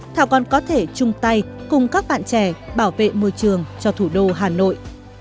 thảo còn có thể chung tay cùng các bạn trẻ bảo vệ môi trường cho thủ đô hà nội